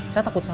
saya takut salah